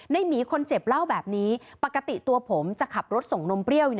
หมีคนเจ็บเล่าแบบนี้ปกติตัวผมจะขับรถส่งนมเปรี้ยว